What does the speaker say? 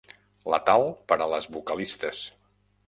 Letal per a les vocalistes.